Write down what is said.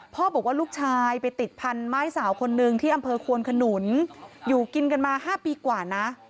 บอกว่าลูกชายไปติดพันไม้สาวคนนึงที่อำเภอควนขนุนอยู่กินกันมา๕ปีกว่านะ